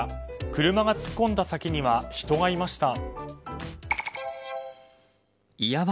車が突っ込んだ先には人がいました。